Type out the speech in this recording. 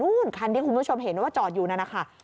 คันที่คุณผู้ชมเห็นว่าจอดอยู่นั่นนะคะ